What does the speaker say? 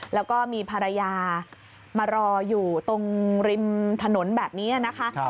แล้วก็มีภรรยามารออยู่ตรงริมถนนแบบนี้นะคะ